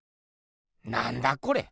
なんだこれ。